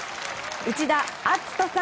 内田篤人さん